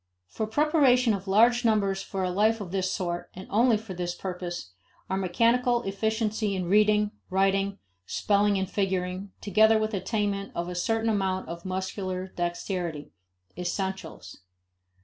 For preparation of large numbers for a life of this sort, and only for this purpose, are mechanical efficiency in reading, writing, spelling and figuring, together with attainment of a certain amount of muscular dexterity, "essentials."